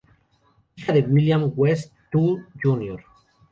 Hija de William West Toole Jr.